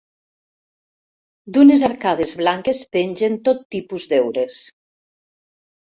D'unes arcades blanques pengen tot tipus d'heures.